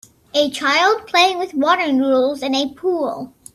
A child playing with water noodles in a pool.